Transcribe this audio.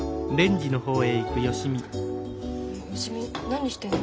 芳美何してんの？